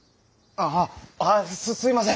あああっすいません！